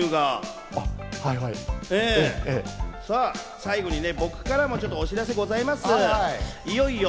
最後に僕からもお知らせがあります。